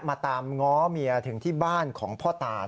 ตามง้อเมียถึงที่บ้านของพ่อตา